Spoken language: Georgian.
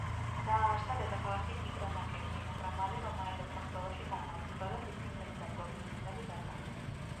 დააარსა დედაქალაქი ტიგრანაკერტი, მაგრამ მალე რომაელებთან ბრძოლაში დამარცხდა და თითქმის მთელი დაპყრობილი მიწები დაკარგა.